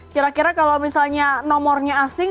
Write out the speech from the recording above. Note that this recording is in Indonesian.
kira kira kalau misalnya nomornya asing